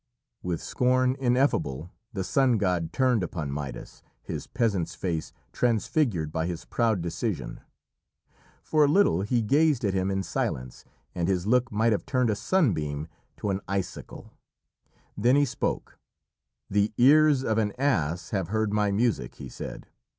With scorn ineffable the sun god turned upon Midas, his peasant's face transfigured by his proud decision. For a little he gazed at him in silence, and his look might have turned a sunbeam to an icicle. Then he spoke: "The ears of an ass have heard my music," he said.